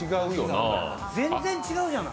全然違うじゃない。